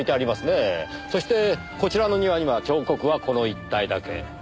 そしてこちらの庭には彫刻はこの１体だけ。